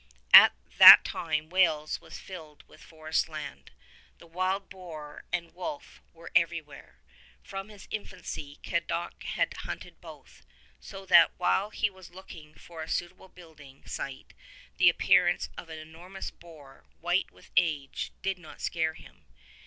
At that time Wales was filled with forest land: the wild boar and the wolf were everywhere. From his infancy Cadoc had hunted both, so that while he was looking for a suitable building site the appearance of an enormous boar, white with age, did not scare him.